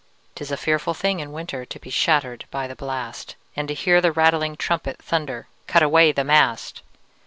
'Tis a fearful thing in winter To be shattered by the blast, And to hear the rattling trumpet Thunder, "Cut away the mast!"